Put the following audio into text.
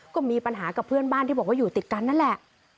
ก็มีปัญหากับเพื่อนบ้านที่บอกว่าอยู่ติดกันนั่นแหละ